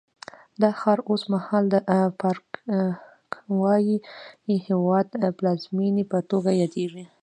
دا ښار اوس مهال د پاراګوای هېواد پلازمېنې په توګه یادېږي.